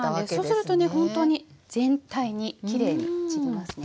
そうするとねほんとに全体にきれいに散りますね。